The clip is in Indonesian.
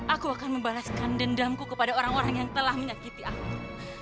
aku akan membalaskan dendamku kepada orang orang yang telah menyakiti aku